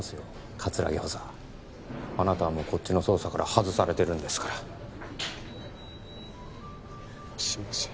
葛城補佐あなたはもうこっちの捜査から外されてるんですからすいません